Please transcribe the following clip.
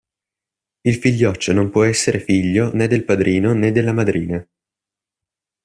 Il figlioccio non può essere figlio né del padrino né della madrina.